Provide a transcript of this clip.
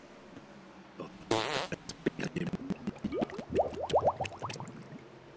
A veszprémi egyházmegyében jó ideig viselt esperesi tisztet.